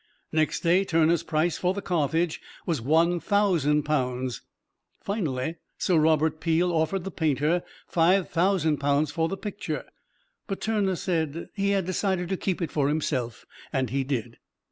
Next day Turner's price for the "Carthage" was one thousand pounds. Finally, Sir Robert Peel offered the painter five thousand pounds for the picture, but Turner said he had decided to keep it for himself, and he did.